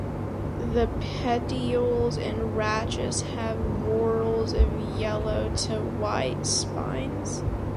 The petioles and rachis have whorls of yellow to white spines.